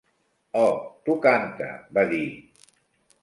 'Oh, tu cante', va dir.